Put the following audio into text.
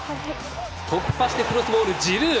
突破してクロスボールジルー！